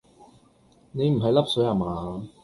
你唔係笠水呀嗎